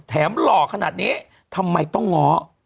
หล่อขนาดนี้ทำไมต้องง้อ